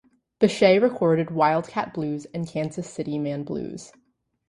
Bechet recorded "Wild Cat Blues" and "Kansas City Man Blues".